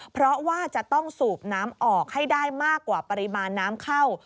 เพราะว่าจะต้องสูบน้ำออกให้ได้มากกว่าปริมาณน้ำเข้า